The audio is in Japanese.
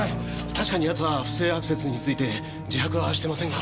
確かに奴は不正アクセスについて自白はしてませんが。